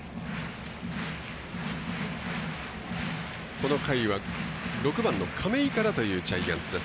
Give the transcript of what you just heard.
この回は６番の亀井からというジャイアンツです。